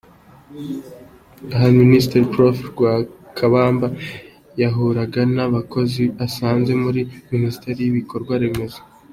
Aha minisitiri Prof Lwakabamba yahuraga n’abakozi asanze muri minisiteri y’Ibikorwaremezo.